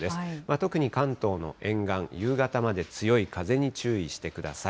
特に関東の沿岸、夕方まで強い風に注意してください。